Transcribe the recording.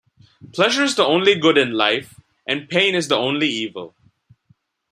Pleasure is the only good in life and pain is the only evil.